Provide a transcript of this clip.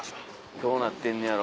どうなってんねやろ。